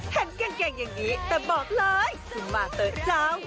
กางเกงอย่างนี้แต่บอกเลยสุมาเตอร์เจ้า